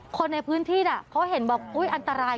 คนในพื้นที่เขาเห็นบอกอุ๊ยอันตราย